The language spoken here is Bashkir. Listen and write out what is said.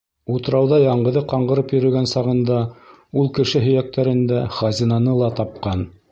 Утрауҙа яңғыҙы ҡаңғырып йөрөгән сағында ул кеше һөйәктәрен дә, хазинаны ла тапҡан.